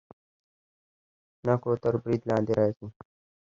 نکو تر برید لاندې راځي.